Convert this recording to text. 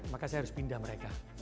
maka saya harus pindah mereka